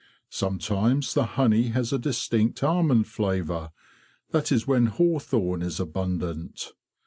Sometimes the honey has a distinct almond flavour; that is when hawthorn is abundant.